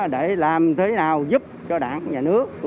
để làm thế nào giúp cho đảng nhà nước